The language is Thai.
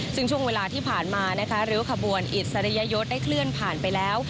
ซึ่งช่วงเวลาที่ผ่านมานะคะริ้วขบวนอิสริยยศได้เคลื่อนผ่านไปแล้ว